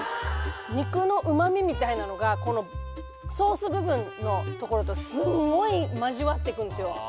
肉の旨みみたいなのがソース部分のところとすごい交わっていくんですよ